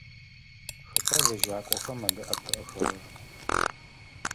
Хэта лэжьакӏохэм адэӏэпыӏэхэрэр?